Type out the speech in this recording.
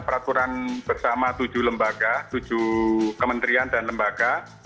peraturan bersama tujuh lembaga tujuh kementerian dan lembaga